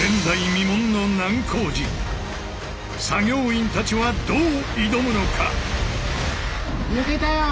作業員たちはどう挑むのか？